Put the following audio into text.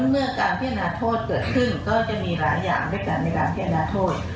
เมื่อการพิจารณาโทษเกิดขึ้นก็จะมีหลายอย่างด้วยกันในการพิจารณาโทษ